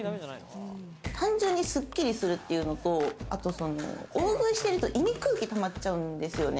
単純にスッキリするっていうのと、大食いしてると胃に空気たまっちゃうんですよね。